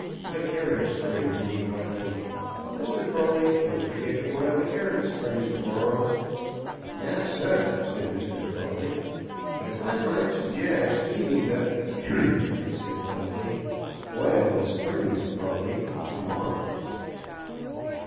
My carriage springs need oiling. Mr. Prawley, don't forget to oil the carriage springs to morrow." "Yes, sir," said Mr. Prawley, "but if I might suggest feeding the " "Ahem!" I said loudly. "Oil the springs, Prawley. To morrow."